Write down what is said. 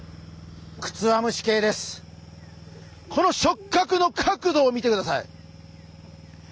この触角の角度を見てください！